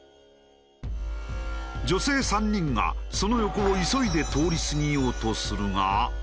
女性３人がその横を急いで通り過ぎようとするが。